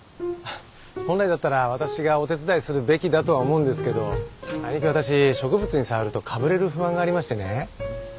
本来だったら私がお手伝いするべきだとは思うんですけどあいにく私植物に触るとかぶれる不安がありましてね。